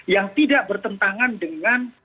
yang tidak bertentangan dengan